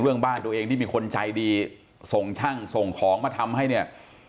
บ้านตัวเองที่มีคนใจดีส่งช่างส่งของมาทำให้เนี่ย